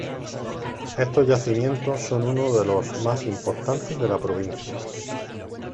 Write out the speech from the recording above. Estos yacimientos son uno de los más importantes de la provincia.